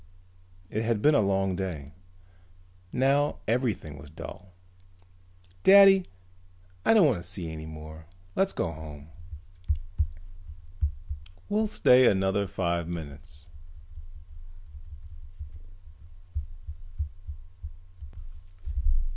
It had been a long day. Now everything was dull. "Daddy, I don't want to see any more. Let's go home." "We'll stay another five minutes."